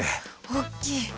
おっきい！